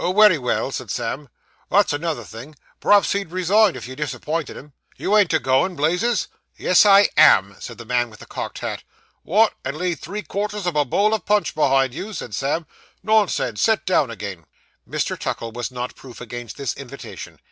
'Oh, wery well,' said Sam; 'that's another thing. P'raps he'd resign if you disappinted him. You ain't a goin', Blazes?' 'Yes, I am,' said the man with the cocked hat. 'Wot, and leave three quarters of a bowl of punch behind you!' said Sam; 'nonsense, set down agin.' Mr. Tuckle was not proof against this invitation.